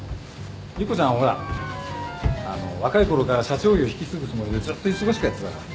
莉湖ちゃんはほらあの若いころから社長業引き継ぐつもりでずっと忙しくやってたから。